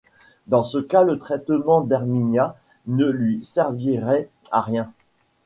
Dans ce cas le traitement d’Hermínia ne lui servirait à rien.